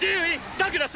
ダグラス！